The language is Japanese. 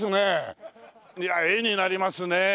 いや絵になりますね。